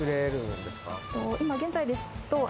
今現在ですと。